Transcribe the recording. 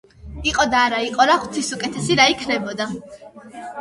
იყო და არა იყო რა, ღვთის უკეთესი რა იქნებოდა.